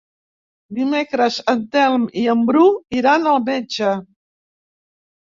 Dimecres en Telm i en Bru iran al metge.